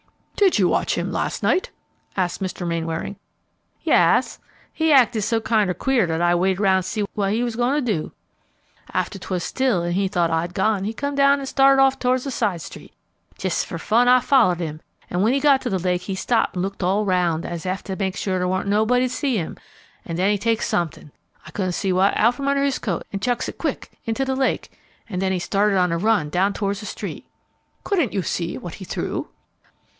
"Did you watch him last night?" asked Mr. Mainwaring. "Yas; he acted so kinder queer that I waited 'round to see what he was goin' to do. After 'twas still an' he thought I'd gone, he come down an' started off towards the side street. Jes' fer fun I follered him; an' when he got to the lake he stopped and looked all 'round, as ef to make sure there warn't nobody to see him, an' then he takes somethin', I couldn't see what, out from under his coat an' chucks it quick into the lake, an' then he started on a run down towards the street." "Couldn't you see what he threw?"